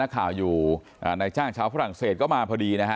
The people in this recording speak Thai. ข่าวอยู่ในจ้างชาวฝรั่งเศสก็มาพอดีนะฮะ